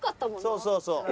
そうそうそう。